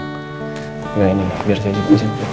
nah ini biar saya jemput